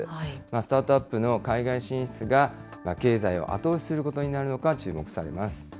スタートアップの海外進出が経済を後押しすることになるのか、注目されます。